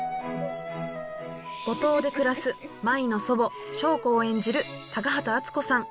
五島で暮らす舞の祖母祥子を演じる高畑淳子さん。